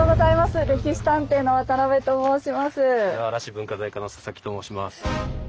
文化財課の佐々木と申します。